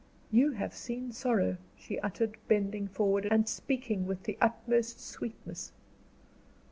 "You have seen sorrow," she uttered, bending forward, and speaking with the utmost sweetness.